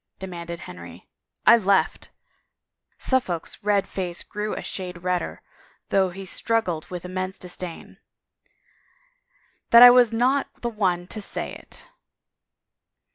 " demanded Henry. " I left —". Suffolk's red face grew a shade redder though he shrugged with immense disdain. " That I was not the one to say it."